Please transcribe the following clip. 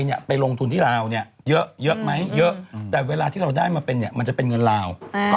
ใช่พินิกผิวพันธุ์ที่เมืองไทยนี่เขาชอบมาก